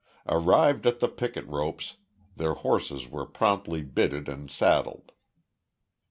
Arrived at the picket ropes, their horses were promptly bitted and saddled.